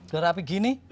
darah api gini